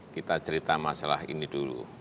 kita cerita masalah ini dulu